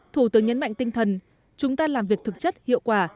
thủ tướng nhấn mạnh tinh thần chúng ta làm việc thực chất hiệu quả